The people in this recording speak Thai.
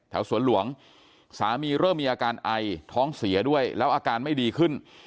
สวนหลวงสามีเริ่มมีอาการไอท้องเสียด้วยแล้วอาการไม่ดีขึ้น